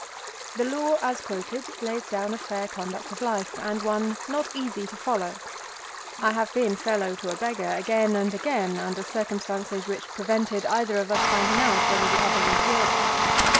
The Law, as quoted, lays down a fair conduct of life, and one not easy to follow. I have been fellow to a beggar again and again under circumstances which prevented either of us finding out whether the other was worthy.